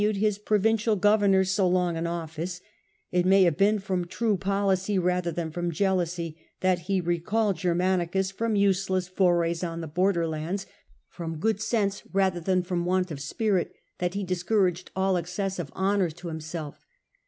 tinned his provincial governors so long in office ; it may have been from true policy rather than from jealousy that he recalled Gennanicus from useless forays on the border lands, from good sense rather than from want of spirit that he discouraged all excessive honours to him and reported Self.